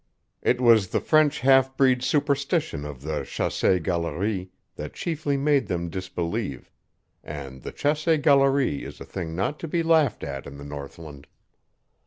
It was the French half breed superstition of the chasse galere that chiefly made them disbelieve, and the chasse galere is a thing not to be laughed at in the northland.